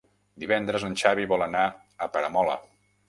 Divendres en Xavi vol anar a Peramola.